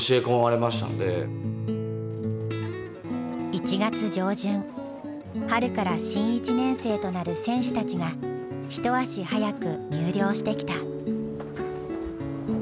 １月上旬春から新１年生となる選手たちが一足早く入寮してきた。